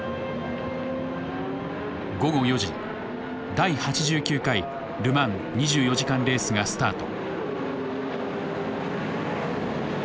午後４時第８９回ル・マン２４時間レースがスタート。